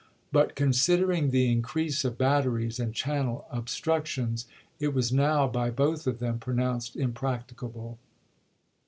But considering the increase of batteries and channel obstructions, it was now by both of them pronounced impracticable.